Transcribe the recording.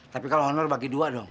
tapi kalau honor bagi dua dong